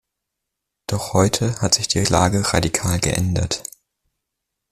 Doch heute hat sich die Lage radikal geändert.